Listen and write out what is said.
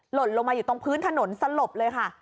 หล่นลงมาอยู่ตรงพื้นถนนสลบเลยค่ะ